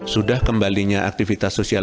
sudah kembalinya aktivitas sosial